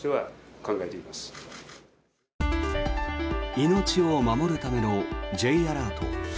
命を守るためのＪアラート。